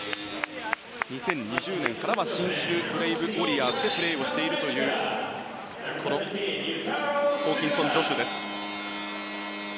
２０２０年からは信州ブレイブウォリアーズでプレーをしているというこのホーキンソン・ジョシュです。